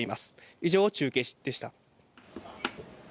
以上中継でした。